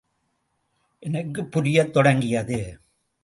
எனக்குப் புரியத் தொடங்கியது.